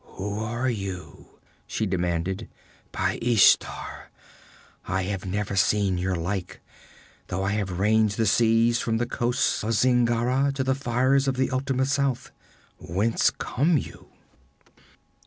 'Who are you?' she demanded. 'By Ishtar, I have never seen your like, though I have ranged the sea from the coasts of Zingara to the fires of the ultimate south. Whence come you?'